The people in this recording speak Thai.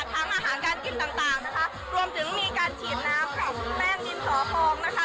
ทั้งอาหารการกินต่างต่างนะคะรวมถึงมีการฉีดน้ำค่ะคุณแป้งดินสอทองนะคะ